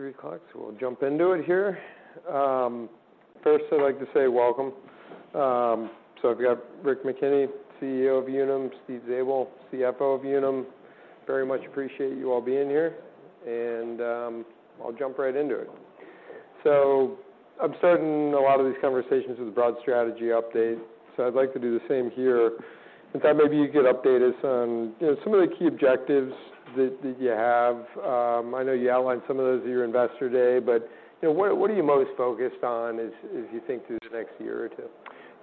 All right, it is 3:00 P.M., so we'll jump into it here. First, I'd like to say welcome. So I've got Rick McKenney, CEO of Unum, Steve Zabel, CFO of Unum. Very much appreciate you all being here, and I'll jump right into it. So I'm starting a lot of these conversations with a broad strategy update, so I'd like to do the same here. With that, maybe you could update us on, you know, some of the key objectives that, that you have. I know you outlined some of those at your Investor Day, but, you know, what, what are you most focused on as, as you think through the next year or two?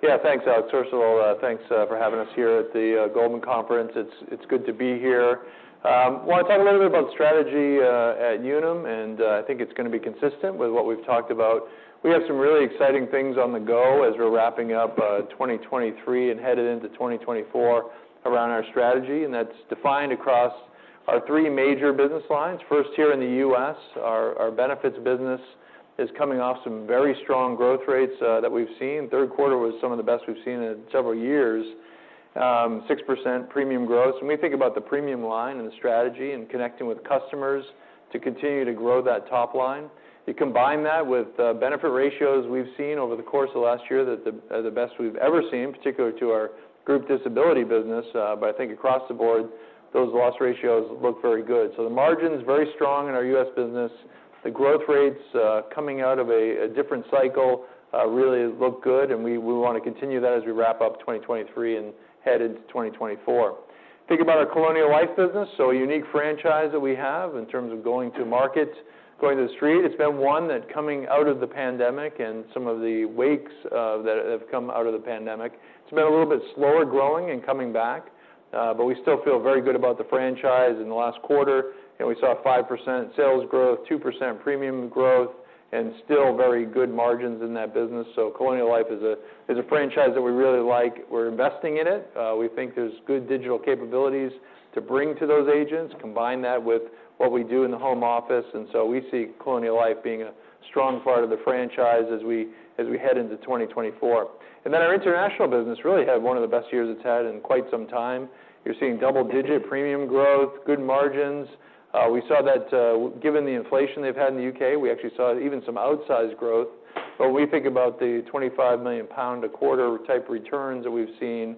Yeah, thanks, Alex. First of all, thanks for having us here at the Goldman conference. It's good to be here. I want to talk a little bit about strategy at Unum, and I think it's going to be consistent with what we've talked about. We have some really exciting things on the go as we're wrapping up 2023 and headed into 2024 around our strategy, and that's defined across our three major business lines. First, here in the U.S., our benefits business is coming off some very strong growth rates that we've seen. Third quarter was some of the best we've seen in several years. 6% premium growth. When we think about the premium line and the strategy and connecting with customers to continue to grow that top line, you combine that with the benefit ratios we've seen over the course of last year, that are the best we've ever seen, particularly to our group disability business, but I think across the board, those loss ratios look very good. So the margin's very strong in our U.S. business. The growth rates, coming out of a different cycle, really look good, and we want to continue that as we wrap up 2023 and head into 2024. Think about our Colonial Life business, so a unique franchise that we have in terms of going to market, going to the street. It's been one that coming out of the pandemic and some of the wakes that have come out of the pandemic, it's been a little bit slower growing and coming back, but we still feel very good about the franchise. In the last quarter, you know, we saw a 5% sales growth, 2% premium growth, and still very good margins in that business. So Colonial Life is a, is a franchise that we really like. We're investing in it. We think there's good digital capabilities to bring to those agents. Combine that with what we do in the home office, and so we see Colonial Life being a strong part of the franchise as we, as we head into 2024. And then our international business really had one of the best years it's had in quite some time. You're seeing double-digit premium growth, good margins. We saw that, given the inflation they've had in the U.K., we actually saw even some outsized growth. But we think about the 25 million pound a quarter type returns that we've seen,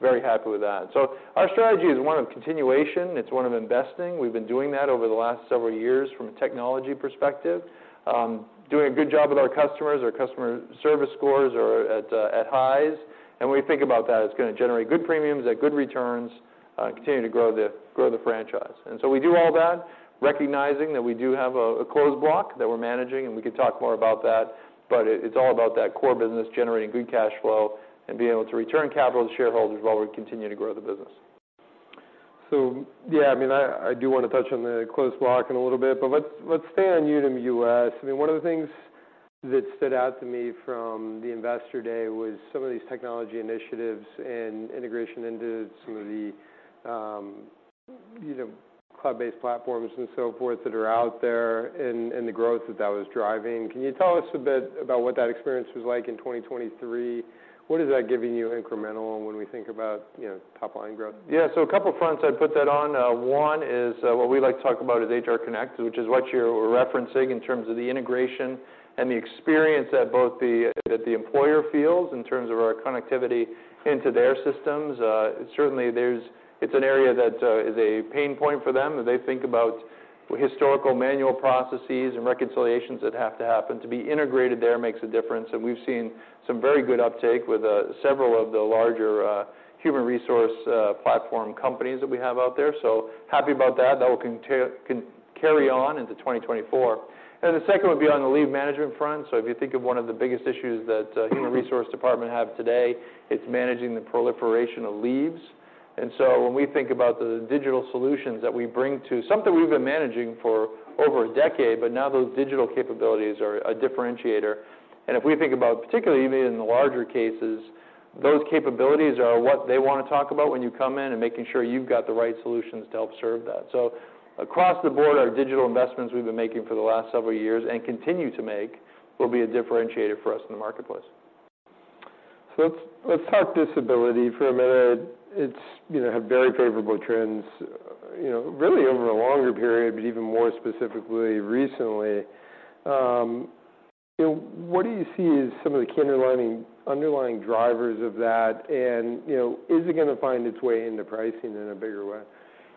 very happy with that. So our strategy is one of continuation, it's one of investing. We've been doing that over the last several years from a technology perspective. Doing a good job with our customers. Our customer service scores are at, at highs, and when we think about that, it's going to generate good premiums at good returns, continue to grow the, grow the franchise. And so we do all that, recognizing that we do have a closed block that we're managing, and we can talk more about that, but it's all about that core business generating good cash flow and being able to return capital to shareholders while we continue to grow the business. So, yeah, I mean, I do want to touch on the closed block in a little bit, but let's stay on Unum US. I mean, one of the things that stood out to me from the Investor Day was some of these technology initiatives and integration into some of the, you know, cloud-based platforms and so forth, that are out there and the growth that that was driving. Can you tell us a bit about what that experience was like in 2023? What is that giving you incremental when we think about, you know, top-line growth? Yeah. So a couple fronts I'd put that on. One is what we like to talk about is HR Connect, which is what you're referencing in terms of the integration and the experience that both the employer feels in terms of our connectivity into their systems. Certainly, there's. It's an area that is a pain point for them, and they think about historical manual processes and reconciliations that have to happen. To be integrated there makes a difference, and we've seen some very good uptake with several of the larger human resource platform companies that we have out there. So happy about that. That will carry on into 2024. And the second would be on the leave management front. So if you think of one of the biggest issues that human resource department have today, it's managing the proliferation of leaves. So when we think about the digital solutions that we bring to something we've been managing for over a decade, but now those digital capabilities are a differentiator. If we think about, particularly even in the larger cases, those capabilities are what they want to talk about when you come in, and making sure you've got the right solutions to help serve that. So across the board, our digital investments we've been making for the last several years and continue to make will be a differentiator for us in the marketplace. So let's talk disability for a minute. It's, you know, had very favorable trends, you know, really over a longer period, but even more specifically recently. You know, what do you see as some of the underlying drivers of that? And, you know, is it going to find its way into pricing in a bigger way?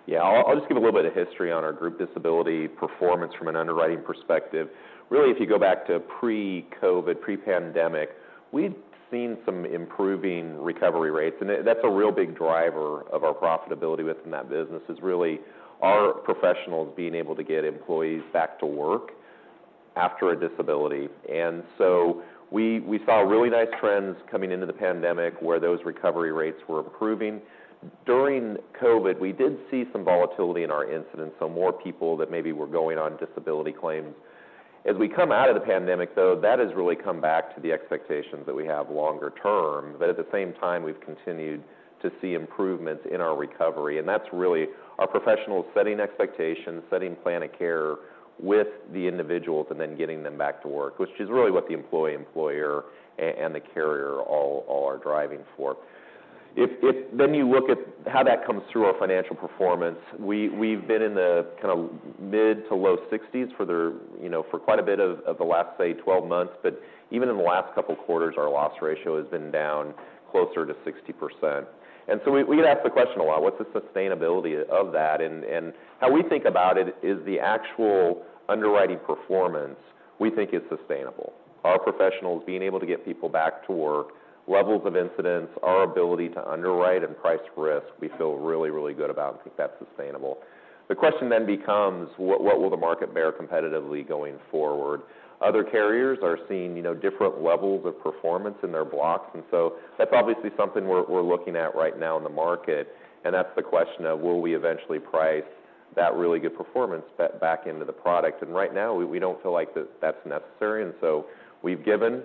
Yeah, I'll, I'll just give a little bit of history on our group disability performance from an underwriting perspective. Really, if you go back to pre-COVID, pre-pandemic, we've seen some improving recovery rates, and that—that's a real big driver of our profitability within that business, is really our professionals being able to get employees back to work after a disability. And so we, we saw really nice trends coming into the pandemic, where those recovery rates were improving. During COVID, we did see some volatility in our incidence, so more people that maybe were going on disability claims. As we come out of the pandemic, though, that has really come back to the expectations that we have longer term, but at the same time, we've continued to see improvements in our recovery, and that's really our professionals setting expectations, setting plan of care with the individuals, and then getting them back to work, which is really what the employee, employer and the carrier all are driving for. If then you look at how that comes through our financial performance, we've been in the kind of mid- to low-60s for, you know, for quite a bit of the last, say, 12 months, but even in the last couple of quarters, our loss ratio has been down closer to 60%. And so we get asked the question a lot: What's the sustainability of that? And how we think about it is the actual underwriting performance, we think is sustainable. Our professionals being able to get people back to work, levels of incidents, our ability to underwrite and price risk, we feel really, really good about and think that's sustainable. The question then becomes: What will the market bear competitively going forward? Other carriers are seeing, you know, different levels of performance in their blocks, and so that's obviously something we're looking at right now in the market. And that's the question of, will we eventually price that really good performance back into the product? And right now, we don't feel like that's necessary, and so we've given,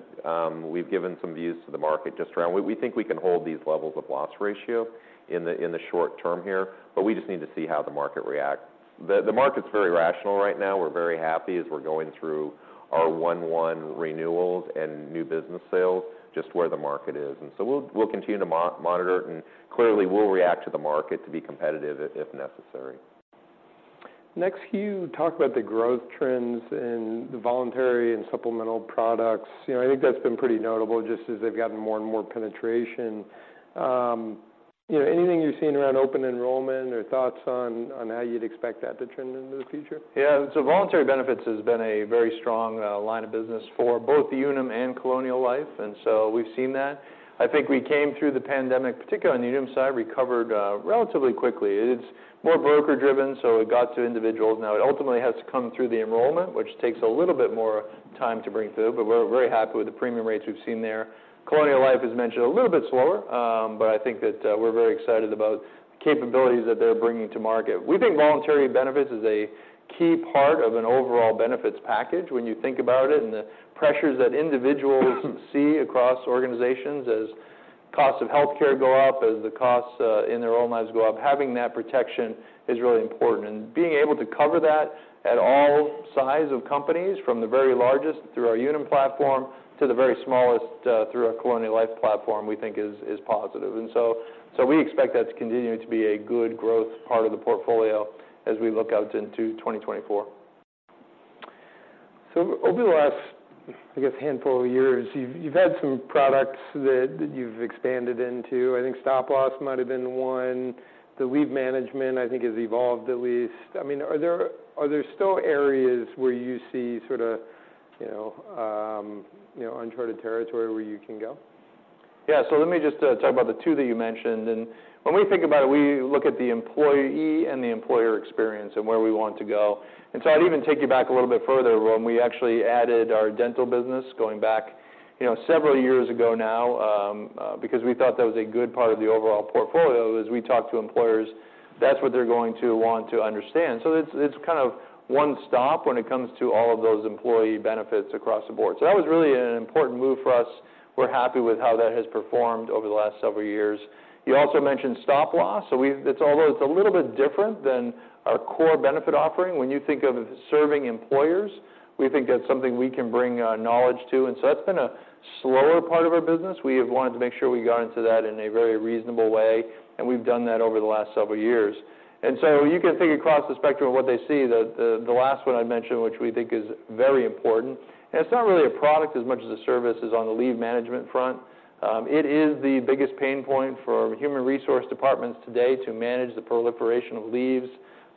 we've given some views to the market just around... We think we can hold these levels of loss ratio in the short term here, but we just need to see how the market reacts. The market's very rational right now. We're very happy as we're going through our 1/1 renewals and new business sales, just where the market is. And so we'll continue to monitor it, and clearly, we'll react to the market to be competitive if necessary. Next, you talk about the growth trends in the voluntary and supplemental products. You know, I think that's been pretty notable, just as they've gotten more and more penetration. You know, anything you've seen around open enrollment or thoughts on, on how you'd expect that to trend into the future? Yeah. So voluntary benefits has been a very strong line of business for both the Unum and Colonial Life, and so we've seen that. I think we came through the pandemic, particularly on the Unum side, recovered relatively quickly. It's more broker-driven, so it got to individuals. Now, it ultimately has to come through the enrollment, which takes a little bit more time to bring through, but we're very happy with the premium rates we've seen there. Colonial Life has mentioned a little bit slower, but I think that, we're very excited about the capabilities that they're bringing to market. We think voluntary benefits is a key part of an overall benefits package when you think about it, and the pressures that individuals see across organizations as costs of healthcare go up, as the costs in their own lives go up, having that protection is really important. Being able to cover that at all sides of companies, from the very largest through our Unum platform, to the very smallest through our Colonial Life platform, we think is positive. So we expect that to continue to be a good growth part of the portfolio as we look out into 2024. So over the last, I guess, handful of years, you've, you've had some products that, that you've expanded into. I think stop loss might have been one. The leave management, I think, has evolved, at least. I mean, are there, are there still areas where you see sort of, you know, you know, uncharted territory where you can go? Yeah, so let me just talk about the two that you mentioned. When we think about it, we look at the employee and the employer experience and where we want to go. So I'd even take you back a little bit further, where when we actually added our dental business, going back, you know, several years ago now, because we thought that was a good part of the overall portfolio. As we talk to employers, that's what they're going to want to understand. So it's kind of one stop when it comes to all of those employee benefits across the board. That was really an important move for us. We're happy with how that has performed over the last several years. You also mentioned stop loss, so we've, it's although it's a little bit different than our core benefit offering, when you think of serving employers, we think that's something we can bring knowledge to. And so that's been a slower part of our business. We have wanted to make sure we got into that in a very reasonable way, and we've done that over the last several years. And so you can think across the spectrum of what they see, the last one I mentioned, which we think is very important. And it's not really a product as much as a service as on the leave management front. It is the biggest pain point for human resource departments today to manage the proliferation of leaves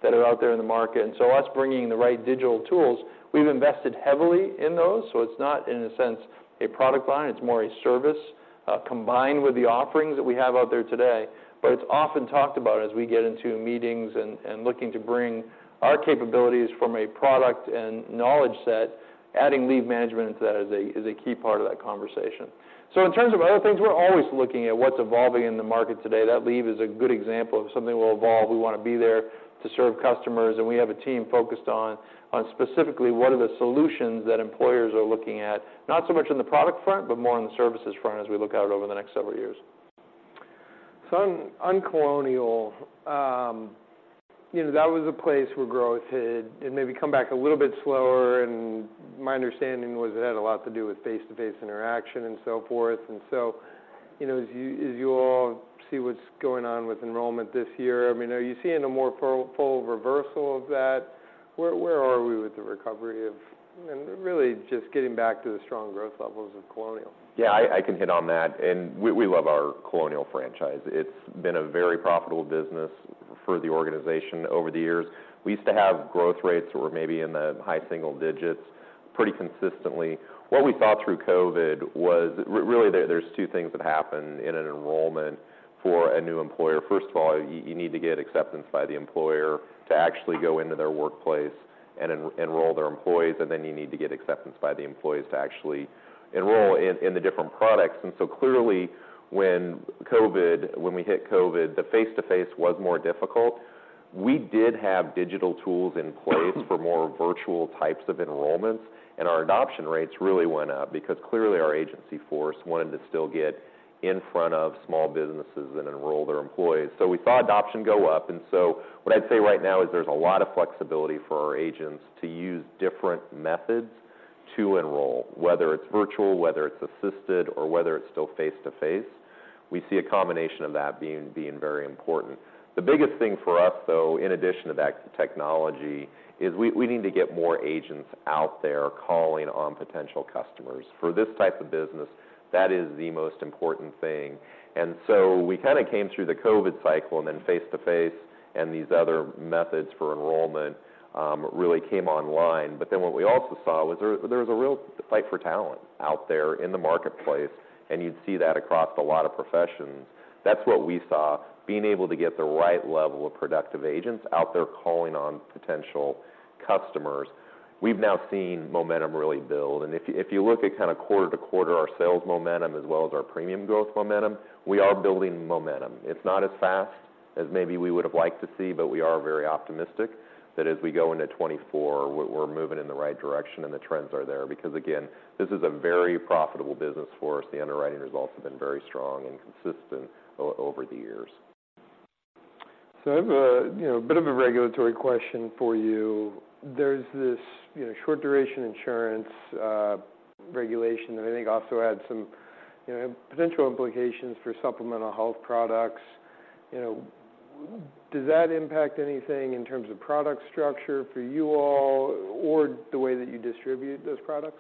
that are out there in the market. So, us bringing the right digital tools, we've invested heavily in those, so it's not, in a sense, a product line. It's more a service combined with the offerings that we have out there today. But it's often talked about as we get into meetings and looking to bring our capabilities from a product and knowledge set. Adding leave management into that is a key part of that conversation. So, in terms of other things, we're always looking at what's evolving in the market today. That leave is a good example of something will evolve. We wanna be there to serve customers, and we have a team focused on specifically what are the solutions that employers are looking at, not so much on the product front, but more on the services front as we look out over the next several years. So on Colonial, you know, that was a place where growth had maybe come back a little bit slower, and my understanding was it had a lot to do with face-to-face interaction and so forth. So, you know, as you all see what's going on with enrollment this year, I mean, are you seeing a more full reversal of that? Where are we with the recovery of, and really just getting back to the strong growth levels of Colonial? Yeah, I can hit on that. And we love our Colonial franchise. It's been a very profitable business for the organization over the years. We used to have growth rates that were maybe in the high single digits pretty consistently. What we saw through COVID was really, there's two things that happen in an enrollment for a new employer. First of all, you need to get acceptance by the employer to actually go into their workplace and enroll their employees, and then you need to get acceptance by the employees to actually enroll in the different products. And so clearly, when we hit COVID, the face-to-face was more difficult. We did have digital tools in place for more virtual types of enrollments, and our adoption rates really went up because clearly our agency force wanted to still get in front of small businesses and enroll their employees. So we saw adoption go up, and so what I'd say right now is there's a lot of flexibility for our agents to use different methods... to enroll, whether it's virtual, whether it's assisted, or whether it's still face-to-face. We see a combination of that being very important. The biggest thing for us, though, in addition to that technology, is we need to get more agents out there calling on potential customers. For this type of business, that is the most important thing. And so we kind of came through the COVID cycle, and then face-to-face, and these other methods for enrollment really came online. But then what we also saw was there was a real fight for talent out there in the marketplace, and you'd see that across a lot of professions. That's what we saw, being able to get the right level of productive agents out there calling on potential customers. We've now seen momentum really build, and if you look at kind of quarter to quarter, our sales momentum as well as our premium growth momentum, we are building momentum. It's not as fast as maybe we would have liked to see, but we are very optimistic that as we go into 2024, we're moving in the right direction and the trends are there. Because, again, this is a very profitable business for us. The underwriting has also been very strong and consistent over the years. So I have a, you know, bit of a regulatory question for you. There's this, you know, short duration insurance, regulation that I think also had some, you know, potential implications for supplemental health products. You know, does that impact anything in terms of product structure for you all, or the way that you distribute those products?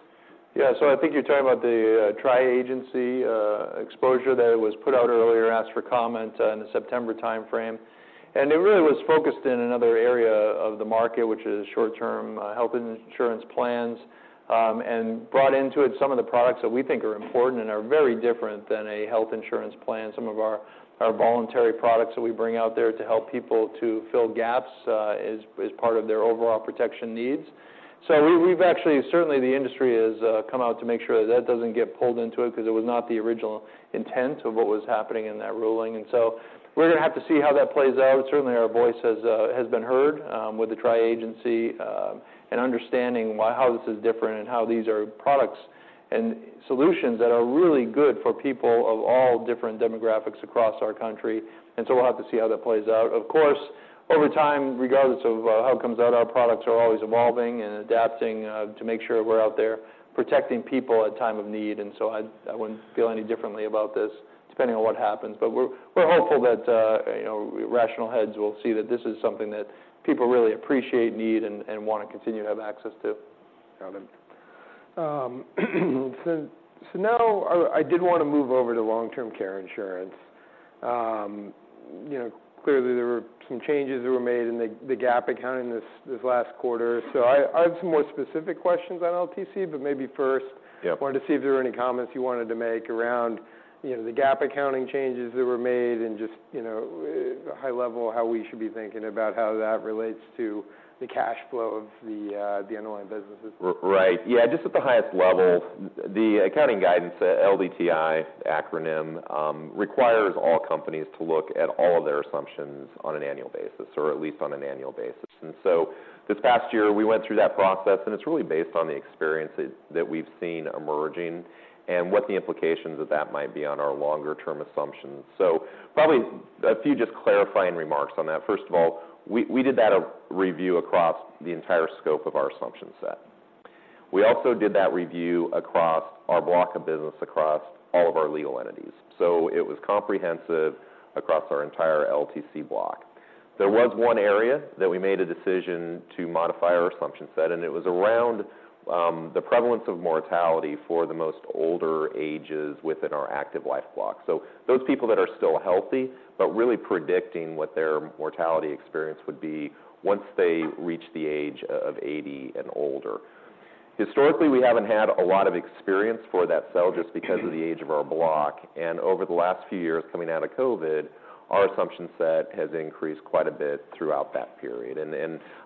Yeah. So I think you're talking about the Tri-Agency exposure that it was put out earlier, asked for comment in the September timeframe. And it really was focused in another area of the market, which is short-term health insurance plans, and brought into it some of the products that we think are important and are very different than a health insurance plan. Some of our voluntary products that we bring out there to help people to fill gaps, as part of their overall protection needs. So we've actually certainly, the industry has come out to make sure that that doesn't get pulled into it, 'cause it was not the original intent of what was happening in that ruling. And so we're gonna have to see how that plays out. Certainly, our voice has been heard with the Tri-Agency, and understanding why, how this is different, and how these are products and solutions that are really good for people of all different demographics across our country. And so we'll have to see how that plays out. Of course, over time, regardless of how it comes out, our products are always evolving and adapting to make sure we're out there protecting people at time of need. And so I wouldn't feel any differently about this, depending on what happens. But we're hopeful that, you know, rational heads will see that this is something that people really appreciate, need, and wanna continue to have access to. Got it. So now, I did wanna move over to long-term care insurance. You know, clearly there were some changes that were made in the GAAP accounting this last quarter. So I have some more specific questions on LTC, but maybe first- Yeah. Wanted to see if there were any comments you wanted to make around, you know, the GAAP accounting changes that were made and just, you know, high level, how we should be thinking about how that relates to the cash flow of the underlying businesses? Right. Yeah, just at the highest level, the accounting guidance, the LDTI acronym, requires all companies to look at all of their assumptions on an annual basis, or at least on an annual basis. So this past year, we went through that process, and it's really based on the experience that we've seen emerging and what the implications of that might be on our long-term assumptions. So probably a few just clarifying remarks on that. First of all, we did a review across the entire scope of our assumption set. We also did that review across our block of business, across all of our legal entities, so it was comprehensive across our entire LTC block. There was one area that we made a decision to modify our assumption set, and it was around the prevalence of mortality for the most older ages within our active life block. So those people that are still healthy, but really predicting what their mortality experience would be once they reach the age of 80 and older. Historically, we haven't had a lot of experience for that cell just because- Mm-hmm... of the age of our block. Over the last few years, coming out of COVID, our assumption set has increased quite a bit throughout that period.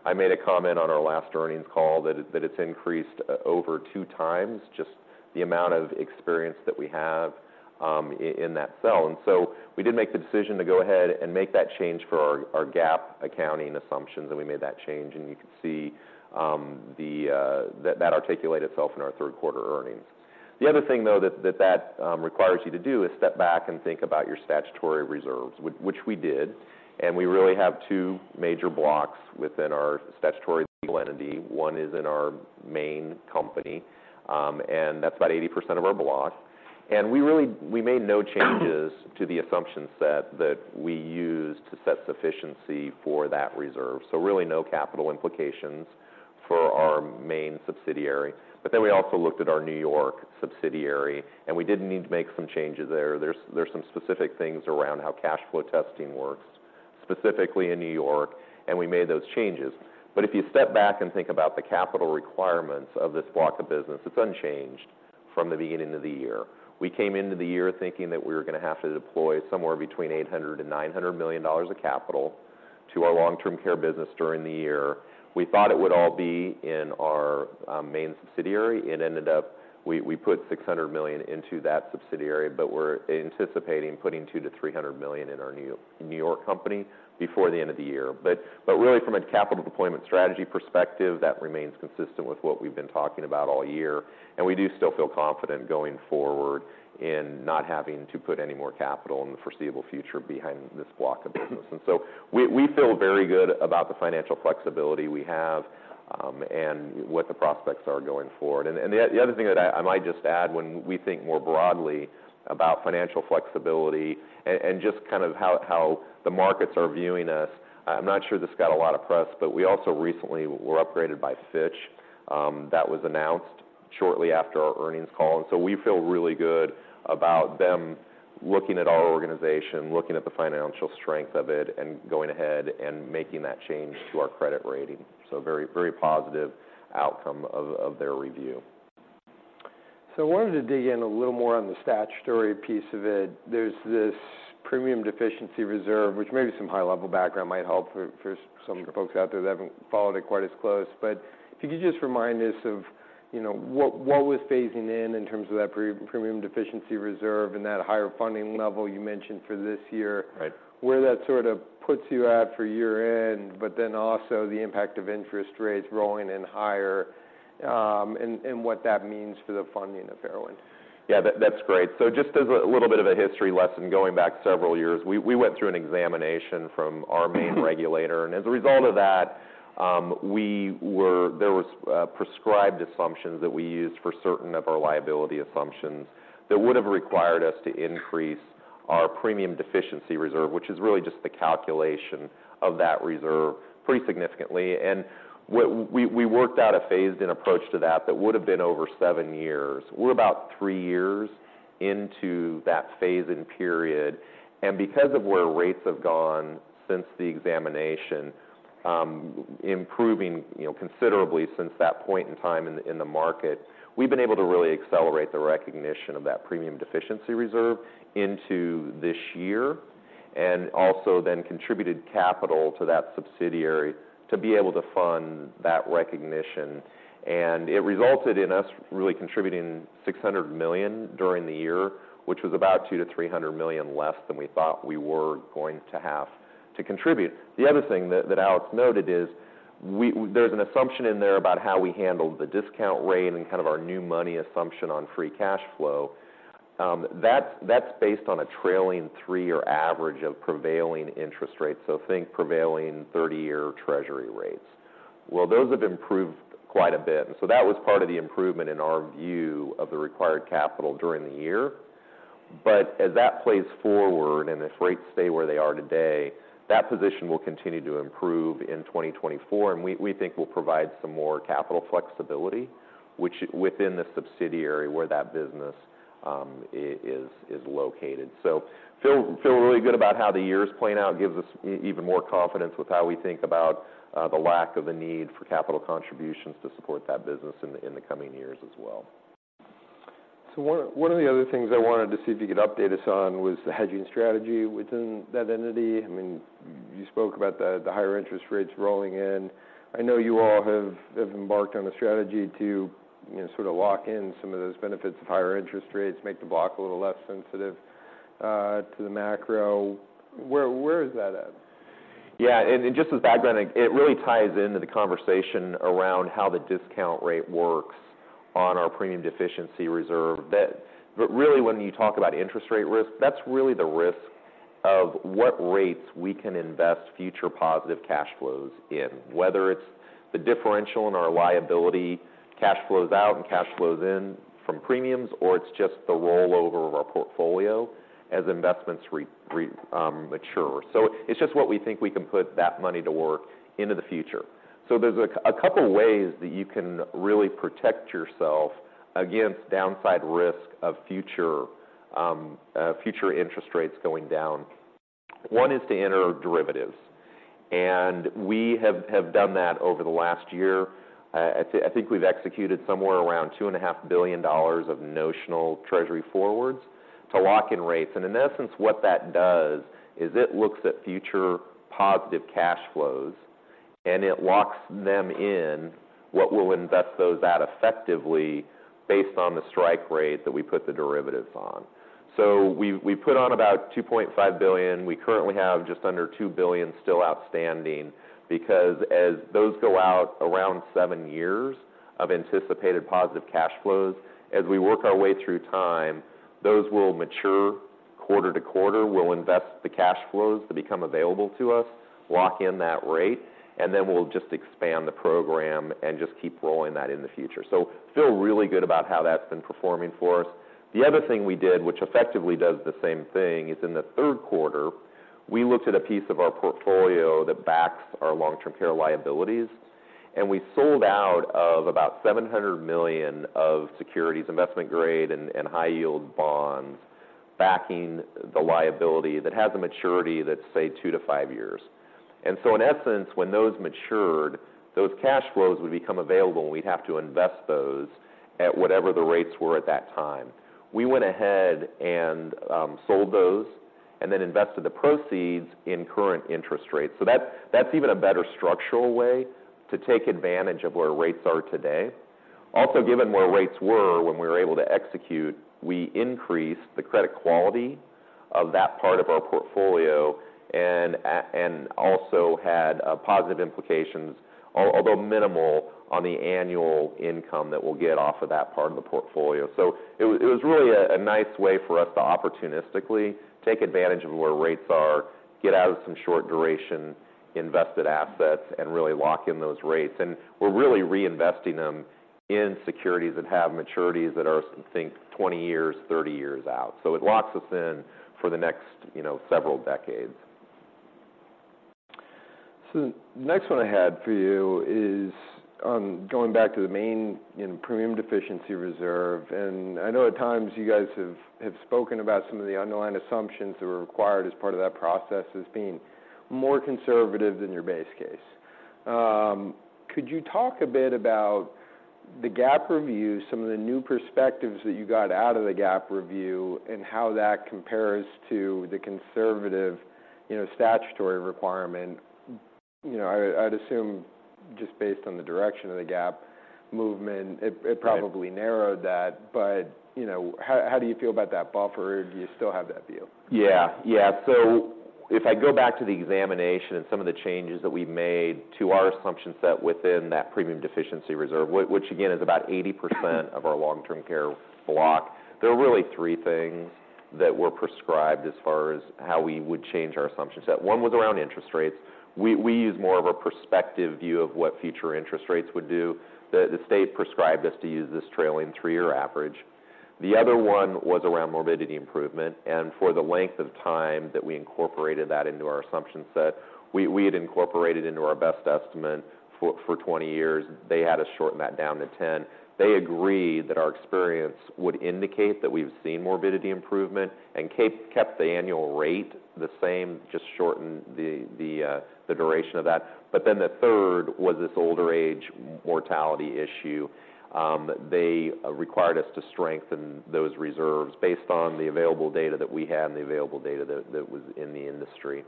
I made a comment on our last earnings call that it, that it's increased over two times, just the amount of experience that we have in that cell. So we did make the decision to go ahead and make that change for our GAAP accounting assumptions, and we made that change, and you can see that it articulates itself in our third quarter earnings. The other thing, though, that requires you to do is step back and think about your statutory reserves, which we did, and we really have two major blocks within our statutory legal entity. One is in our main company, and that's about 80% of our block. And we really, we made no changes to the assumption set that we used to set sufficiency for that reserve, so really no capital implications for our main subsidiary. But then we also looked at our New York subsidiary, and we did need to make some changes there. There's some specific things around how cash flow testing works, specifically in New York, and we made those changes. But if you step back and think about the capital requirements of this block of business, it's unchanged from the beginning of the year. We came into the year thinking that we were gonna have to deploy somewhere between $800 million and $900 million of capital to our long-term care business during the year. We thought it would all be in our main subsidiary. It ended up we put $600 million into that subsidiary, but we're anticipating putting $200 million-$300 million in our New York company before the end of the year. But really, from a capital deployment strategy perspective, that remains consistent with what we've been talking about all year, and we do still feel confident going forward in not having to put any more capital in the foreseeable future behind this block of business. And so we feel very good about the financial flexibility we have, and what the prospects are going forward. And the other thing that I might just add when we think more broadly about financial flexibility and just kind of how the markets are viewing us, I'm not sure this got a lot of press, but we also recently were upgraded by Fitch. That was announced shortly after our earnings call. And so we feel really good about them looking at our organization, looking at the financial strength of it, and going ahead and making that change to our credit rating. So very, very positive outcome of their review. So I wanted to dig in a little more on the statutory piece of it. There's this Premium Deficiency Reserve, which maybe some high-level background might help for some folks out there that haven't followed it quite as close. But could you just remind us of, you know, what was phasing in in terms of that pre-Premium Deficiency Reserve and that higher funding level you mentioned for this year? Right. Where that sort of puts you at for year-end, but then also the impact of interest rates rolling in higher, and what that means for the funding of Fairwind. Yeah, that's great. So just as a little bit of a history lesson, going back several years, we went through an examination from our main regulator. And as a result of that, there was prescribed assumptions that we used for certain of our liability assumptions that would have required us to increase our Premium Deficiency Reserve, which is really just the calculation of that reserve, pretty significantly. And what we worked out a phased-in approach to that, that would have been over seven years. We're about three years into that phase-in period, and because of where rates have gone since the examination, improving, you know, considerably since that point in time in the, in the market, we've been able to really accelerate the recognition of that premium deficiency reserve into this year, and also then contributed capital to that subsidiary to be able to fund that recognition. And it resulted in us really contributing $600 million during the year, which was about $200 million-$300 million less than we thought we were going to have to contribute. The other thing that Alex noted is we, there's an assumption in there about how we handled the discount rate and kind of our new money assumption on free cash flow. That's based on a trailing three-year average of prevailing interest rates, so think prevailing 30-year treasury rates. Well, those have improved quite a bit, and so that was part of the improvement in our view of the required capital during the year. But as that plays forward, and if rates stay where they are today, that position will continue to improve in 2024, and we think will provide some more capital flexibility, which within the subsidiary where that business is located. So feel really good about how the year's playing out. Gives us even more confidence with how we think about the lack of a need for capital contributions to support that business in the coming years as well. So one of the other things I wanted to see if you could update us on was the hedging strategy within that entity. I mean, you spoke about the higher interest rates rolling in. I know you all have embarked on a strategy to, you know, sort of lock in some of those benefits of higher interest rates, make the block a little less sensitive to the macro. Where is that at? Yeah, and just as background, it really ties into the conversation around how the discount rate works on our premium deficiency reserve. But really, when you talk about interest rate risk, that's really the risk of what rates we can invest future positive cash flows in, whether it's the differential in our liability, cash flows out and cash flows in from premiums, or it's just the rollover of our portfolio as investments remature. So it's just what we think we can put that money to work into the future. So there's a couple of ways that you can really protect yourself against downside risk of future future interest rates going down. One is to enter derivatives, and we have done that over the last year. I think we've executed somewhere around $2.5 billion of notional Treasury forwards to lock in rates. And in essence, what that does is it looks at future positive cash flows, and it locks them in, what we'll invest those at effectively, based on the strike rate that we put the derivatives on. So we put on about $2.5 billion. We currently have just under $2 billion still outstanding, because as those go out around 7 years of anticipated positive cash flows, as we work our way through time, those will mature quarter to quarter. We'll invest the cash flows that become available to us, lock in that rate, and then we'll just expand the program and just keep rolling that in the future. So feel really good about how that's been performing for us. The other thing we did, which effectively does the same thing, is in the third quarter, we looked at a piece of our portfolio that backs our long-term care liabilities, and we sold out of about $700 million of securities, investment grade and high yield bonds, backing the liability that has a maturity, let's say ,two to five years. And so, in essence, when those matured, those cash flows would become available, and we'd have to invest those at whatever the rates were at that time. We went ahead and sold those and then invested the proceeds in current interest rates. So that's even a better structural way to take advantage of where rates are today. Also, given where rates were when we were able to execute, we increased the credit quality-... of that part of our portfolio, and also had positive implications, although minimal, on the annual income that we'll get off of that part of the portfolio. So it was really a nice way for us to opportunistically take advantage of where rates are, get out of some short duration invested assets, and really lock in those rates. And we're really reinvesting them in securities that have maturities that are, I think, 20 years, 30 years out. So it locks us in for the next, you know, several decades. So the next one I had for you is on going back to the main premium deficiency reserve. And I know at times you guys have spoken about some of the underlying assumptions that were required as part of that process as being more conservative than your base case. Could you talk a bit about the GAAP review, some of the new perspectives that you got out of the GAAP review, and how that compares to the conservative, you know, statutory requirement? You know, I'd assume, just based on the direction of the GAAP movement, it- Right... probably narrowed that. But, you know, how do you feel about that buffer? Do you still have that view? Yeah. Yeah. So if I go back to the examination and some of the changes that we made to our assumption set within that premium deficiency reserve, which again, is about 80% of our long-term care block, there are really three things that were prescribed as far as how we would change our assumption set. One was around interest rates. We use more of a prospective view of what future interest rates would do. The state prescribed us to use this trailing three-year average. The other one was around morbidity improvement, and for the length of time that we incorporated that into our assumption set, we had incorporated into our best estimate for 20 years. They had us shorten that down to 10. They agreed that our experience would indicate that we've seen morbidity improvement, and kept the annual rate the same, just shortened the duration of that. But then the third was this older age mortality issue. They required us to strengthen those reserves based on the available data that we had and the available data that was in the industry.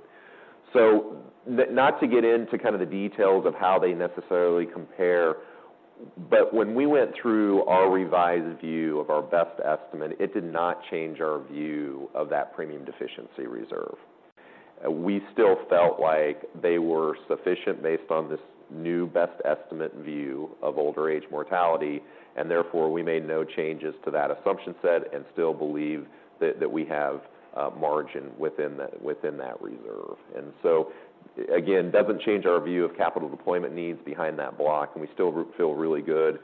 So not to get into kind of the details of how they necessarily compare, but when we went through our revised view of our best estimate, it did not change our view of that Premium Deficiency Reserve. We still felt like they were sufficient based on this new best estimate view of older age mortality, and therefore, we made no changes to that assumption set and still believe that we have margin within that reserve. And so, again, doesn't change our view of capital deployment needs behind that block, and we still feel really good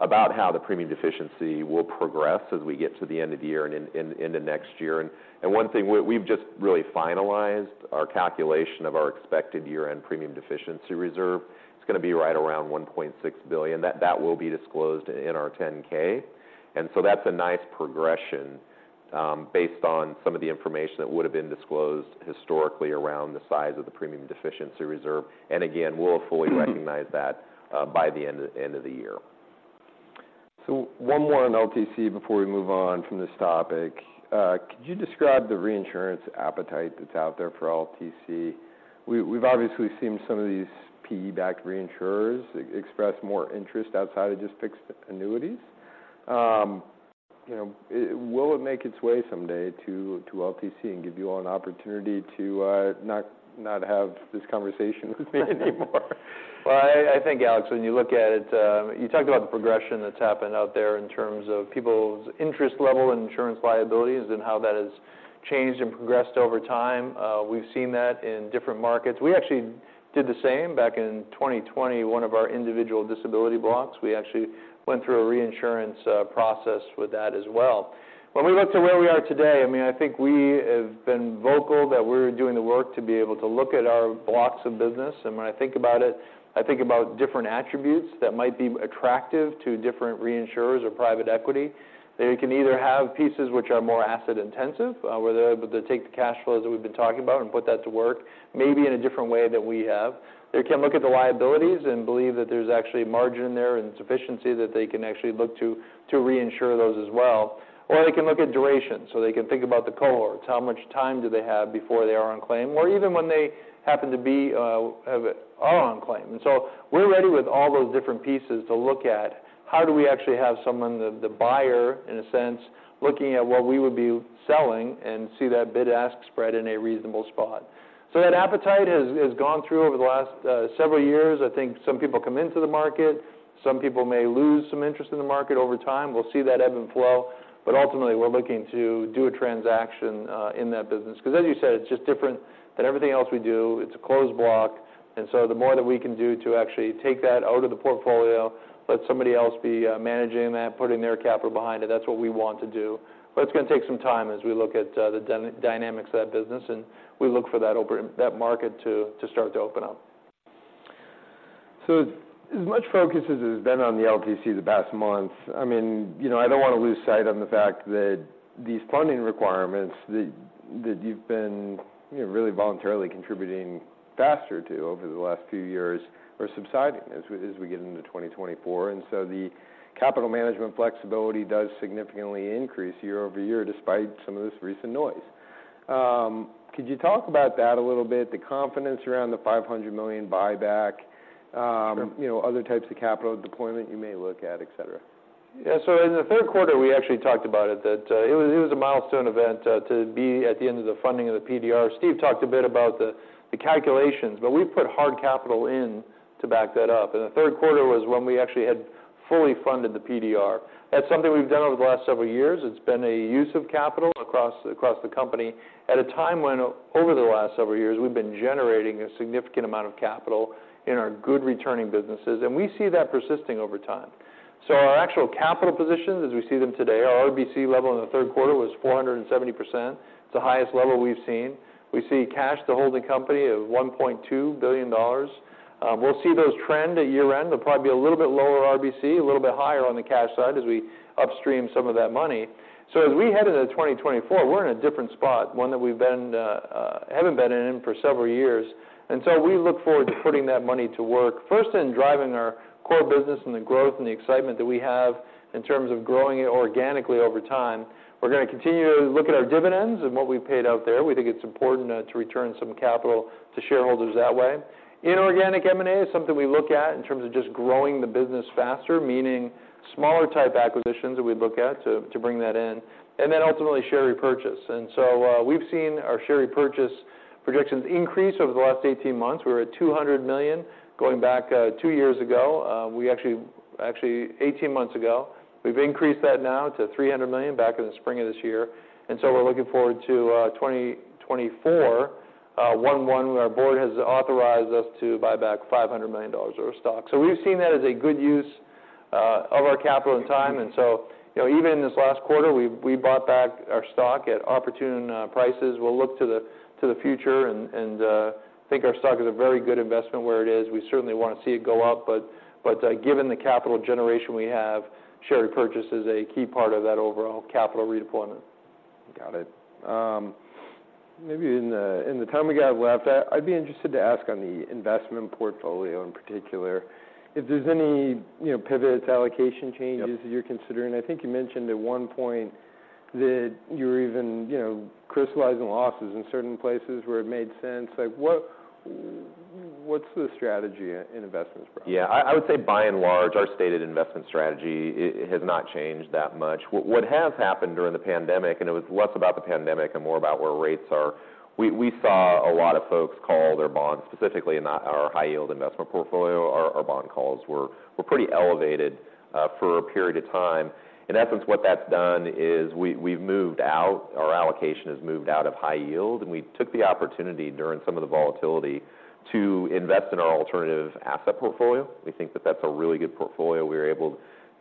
about how the premium deficiency will progress as we get to the end of the year and into next year. And one thing, we've just really finalized our calculation of our expected year-end premium deficiency reserve. It's going to be right around $1.6 billion. That will be disclosed in our 10-K. And so that's a nice progression, based on some of the information that would have been disclosed historically around the size of the premium deficiency reserve. And again, we'll fully recognize that by the end of the year. So one more on LTC before we move on from this topic. Could you describe the reinsurance appetite that's out there for LTC? We've obviously seen some of these PE-backed reinsurers express more interest outside of just fixed annuities. You know, will it make its way someday to LTC and give you all an opportunity to not have this conversation with me anymore? Well, I think, Alex, when you look at it, you talked about the progression that's happened out there in terms of people's interest level in insurance liabilities and how that has changed and progressed over time. We've seen that in different markets. We actually did the same back in 2020. One of our individual disability blocks, we actually went through a reinsurance process with that as well. When we look to where we are today, I mean, I think we have been vocal that we're doing the work to be able to look at our blocks of business. And when I think about it, I think about different attributes that might be attractive to different reinsurers or private equity. They can either have pieces which are more asset intensive, where they're able to take the cash flows that we've been talking about and put that to work, maybe in a different way than we have. They can look at the liabilities and believe that there's actually a margin there and sufficiency that they can actually look to, to reinsure those as well. Or they can look at duration, so they can think about the cohorts, how much time do they have before they are on claim, or even when they happen to be, are on claim. And so we're ready with all those different pieces to look at. How do we actually have someone, the buyer, in a sense, looking at what we would be selling and see that bid-ask spread in a reasonable spot? So that appetite has gone through over the last several years. I think some people come into the market, some people may lose some interest in the market over time. We'll see that ebb and flow, but ultimately, we're looking to do a transaction in that business. Because as you said, it's just different than everything else we do. It's a closed block, and so the more that we can do to actually take that out of the portfolio, let somebody else be managing that, putting their capital behind it, that's what we want to do. But it's going to take some time as we look at the dynamics of that business, and we look for that market to start to open up. So as much focus as has been on the LTC in the past months, I mean, you know, I don't want to lose sight on the fact that these funding requirements that, that you've been, you know, really voluntarily contributing faster to over the last few years are subsiding as we, as we get into 2024. And so the capital management flexibility does significantly increase year-over-year, despite some of this recent noise. Could you talk about that a little bit, the confidence around the $500 million buyback? You know, other types of capital deployment you may look at, et cetera? Yeah, so in the third quarter, we actually talked about it that it was a milestone event to be at the end of the funding of the PDR. Steve talked a bit about the calculations, but we've put hard capital in to back that up. And the third quarter was when we actually had fully funded the PDR. That's something we've done over the last several years. It's been a use of capital across the company at a time when over the last several years, we've been generating a significant amount of capital in our good returning businesses, and we see that persisting over time. So our actual capital positions, as we see them today, our RBC level in the third quarter was 470%. It's the highest level we've seen. We see cash to holding company of $1.2 billion. We'll see those trend at year-end. They'll probably be a little bit lower RBC, a little bit higher on the cash side, as we upstream some of that money. So as we head into 2024, we're in a different spot, one that we've been, haven't been in, in for several years, and so we look forward to putting that money to work, first in driving our core business and the growth and the excitement that we have in terms of growing it organically over time. We're gonna continue to look at our dividends and what we've paid out there. We think it's important, to return some capital to shareholders that way. Inorganic M&A is something we look at in terms of just growing the business faster, meaning smaller type acquisitions that we'd look at to bring that in, and then ultimately share repurchase. So, we've seen our share repurchase projections increase over the last 18 months. We were at $200 million going back 2 years ago. Actually, 18 months ago. We've increased that now to $300 million back in the spring of this year, and so we're looking forward to 2024, where our board has authorized us to buy back $500 million of our stock. So we've seen that as a good use of our capital and time, and so, you know, even in this last quarter, we've bought back our stock at opportune prices. We'll look to the future and think our stock is a very good investment where it is. We certainly want to see it go up, but given the capital generation we have, share repurchase is a key part of that overall capital redeployment. Got it. Maybe in the time we got left, I, I'd be interested to ask on the investment portfolio in particular, if there's any, you know, pivots, allocation changes- Yep... that you're considering. I think you mentioned at one point that you're even, you know, crystallizing losses in certain places where it made sense. Like, what, what's the strategy in investments for you? Yeah, I would say by and large, our stated investment strategy it has not changed that much. What has happened during the pandemic, and it was less about the pandemic and more about where rates are, we saw a lot of folks call their bonds, specifically in our high yield investment portfolio. Our bond calls were pretty elevated for a period of time. In essence, what that's done is we've moved out. Our allocation has moved out of high yield, and we took the opportunity during some of the volatility to invest in our alternative asset portfolio. We think that that's a really good portfolio. We were able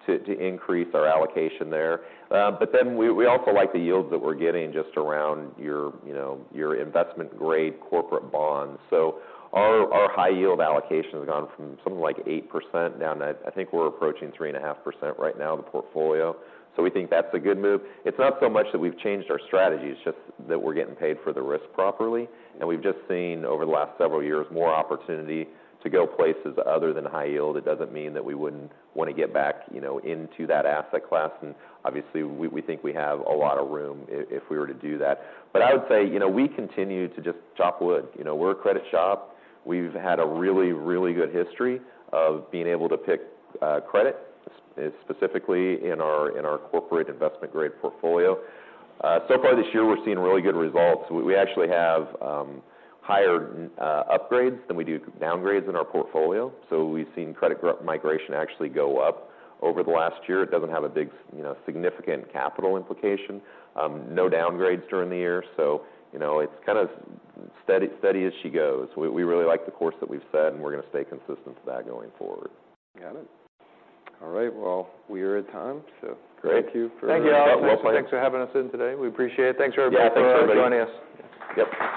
to increase our allocation there. But then we also like the yields that we're getting just around your, you know, your investment-grade corporate bonds. So our high yield allocation has gone from something like 8% down to, I think we're approaching 3.5% right now, the portfolio. So we think that's a good move. It's not so much that we've changed our strategy, it's just that we're getting paid for the risk properly, and we've just seen, over the last several years, more opportunity to go places other than high yield. It doesn't mean that we wouldn't want to get back, you know, into that asset class, and obviously, we, we think we have a lot of room if we were to do that. But I would say, you know, we continue to just chop wood. You know, we're a credit shop. We've had a really, really good history of being able to pick credit, specifically in our, in our corporate investment-grade portfolio. So far this year, we're seeing really good results. We actually have higher upgrades than we do downgrades in our portfolio, so we've seen credit grade migration actually go up over the last year. It doesn't have a big, you know, significant capital implication. No downgrades during the year, so, you know, it's kind of steady, steady as she goes. We really like the course that we've set, and we're gonna stay consistent to that going forward. Got it. All right, well, we are at time, so- Great... thank you for- Thank you, Alex. Well played. Thanks for having us in today. We appreciate it. Thanks, everybody. Yeah, thanks, everybody.... for joining us. Yes. Yep.